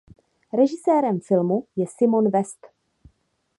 Režisérem filmu je Simon West.